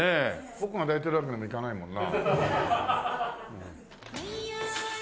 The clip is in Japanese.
僕が抱いてるわけにもいかないもんな。